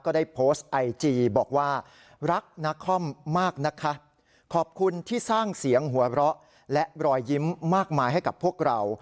ได้โพสต์ไอจีบอกว่ารักนักคอมมากนะคะขอบคุณที่สร้างเสียงหัวเราะและรอยยิ้มมากมายให้กับพวกเรา